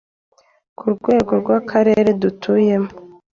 ku rwego rw'akarere dutuyemo